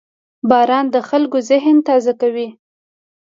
• باران د خلکو ذهن تازه کوي.